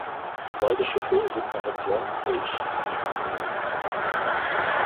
Beide Schiffe sind nach John H. Stevenson benannt.